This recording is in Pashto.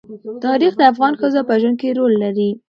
تاریخ د افغان ښځو په ژوند کې رول لري.